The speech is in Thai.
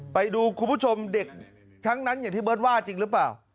ไปดูคุณผู้ชมเด็กทั้งนั้นอย่างที่เบิร์ตว่าจริงหรือเปล่า